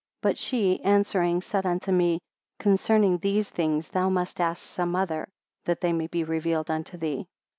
107 But she answering said unto me, concerning these things thou must ask some other, that they may be revealed unto thee.